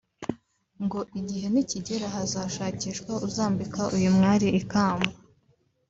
ngo igihe nikigera hazashakishwa uzambika uyu mwali ikamba